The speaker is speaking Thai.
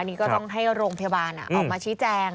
นี่ก็ต้องให้โรงพยาบาลออกมาชี้แจง